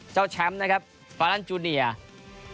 เจ้าแชมป์นะครับฟาลันจูเนียร์